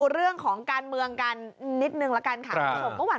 มองมาเรื่องการเมืองกันนิดหนึ่งขอบคุณครับ